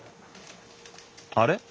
あれ？